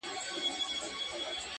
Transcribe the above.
ماته د خپل د زړه آواز راورسيږي~